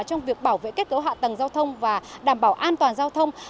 trong việc bảo vệ kết cấu hạ tầng giao thông và đảm bảo an toàn giao thông